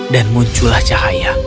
dan muncullah cahaya